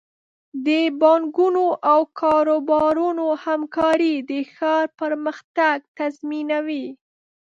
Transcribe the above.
د بانکونو او کاروبارونو همکاري د ښار پرمختګ تضمینوي.